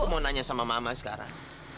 apakah aku anak kandung mama atau bukan